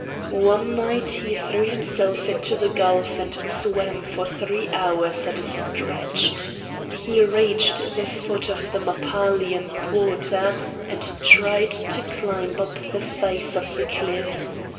One night he threw himself into the gulf and swam for three hours at a stretch. He reached the foot of the Mappalian quarter and tried to climb up the face of the cliff.